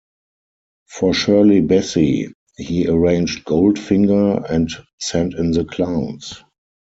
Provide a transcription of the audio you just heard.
For Shirley Bassey, he arranged "Goldfinger" and "Send in the Clowns".